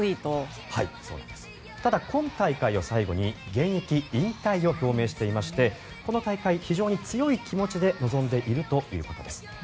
ただ、今大会を最後に現役引退を表明していましてこの大会、非常に強い気持ちで臨んでいるということです。